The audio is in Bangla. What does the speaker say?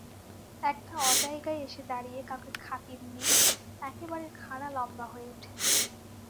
একটা অজায়গায় এসে দাঁড়িয়ে কাউকে খাতির নেই, একেবারে খাড়া লম্বা হয়ে উঠছে।